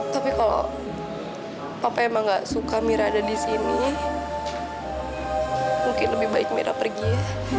tapi kalau papa emang gak suka mira ada di sini mungkin lebih baik mira pergi ya